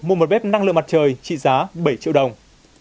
mua một bếp năng lượng mặt trời trị giá bảy triệu đồng